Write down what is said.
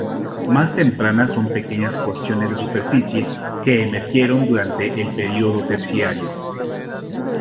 Más tempranas son pequeñas porciones de superficie que emergieron durante el período terciario.